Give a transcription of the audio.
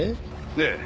ええ。